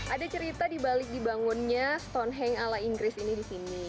ada cerita di balik dibangunnya stone hangke ala inggris ini di sini